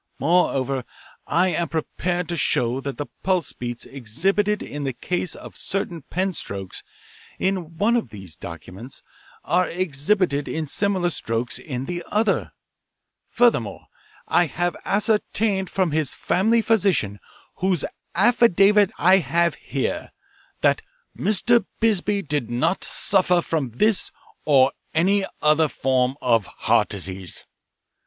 Moreover, I am prepared to show that the pulse beats exhibited in the case of certain pen strokes in one of these documents are exhibited in similar strokes in the other. Furthermore, I have ascertained from his family physician, whose affidavit I have here, that Mr. Bisbee did not suffer from this or any other form of heart disease. Mr.